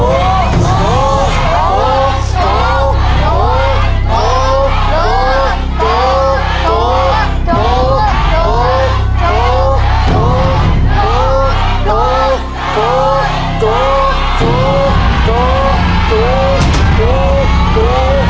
ดู